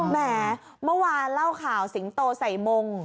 แหมเมื่อวานเล่าข่าวสิงโตใส่มง